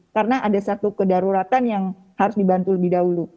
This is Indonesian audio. karena ada satu kedaruratan yang harus dibantu lebih dahulu